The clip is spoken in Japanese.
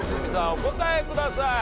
お答えください。